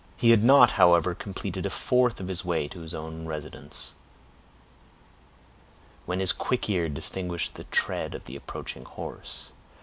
He had not, however, completed a fourth of his way to his own residence, when his quick ear distinguished the tread of the approaching horse.